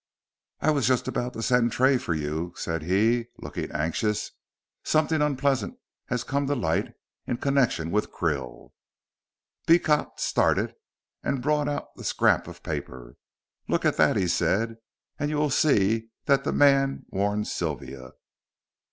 "I was just about to send Tray for you," said he, looking anxious. "Something unpleasant has come to light in connection with Krill." Beecot started and brought out the scrap of paper. "Look at that," he said, "and you will see that the man warned Sylvia."